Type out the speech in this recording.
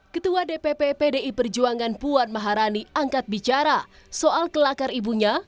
ketua dpp pdi perjuangan puan maharani angkat bicara soal kelakar ibunya